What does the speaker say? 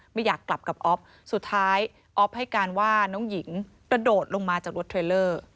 ไม่อยากกลับกับอ๊อฟสุดท้ายออฟให้การว่าน้องหญิงกระโดดลงมาจากรถเทรลเลอร์